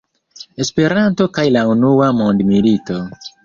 Esperanto kaj la unua mondmilito.